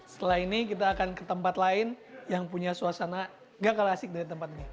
setelah ini kita akan ke tempat lain yang punya suasana gak kalah asik dari tempat ini